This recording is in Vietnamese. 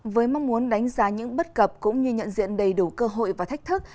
với mong muốn đánh giá những bất cập cũng như nhận diện đầy đủ cơ hội và thách thức